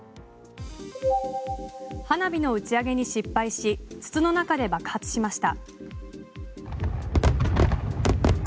花火の打ち上げに失敗し筒の中で爆発しました。